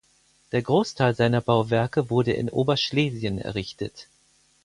Der Großteil seiner Bauwerke wurde in Oberschlesien errichtet.